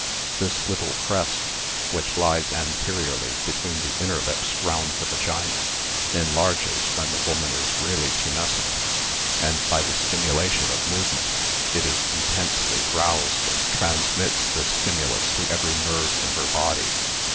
This little crest, which lies anteriorly between the inner lips round the vagina, enlarges when the woman is really tumescent, and by the stirnu lation of movement it is intensely roused and trans mits this stimulus to every nerve in her body.